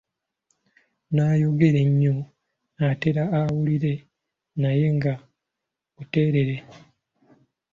Nayogera nnyo atere awulire naye nga buteerere.